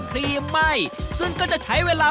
ครีมไหม้ซึ่งก็จะใช้เวลา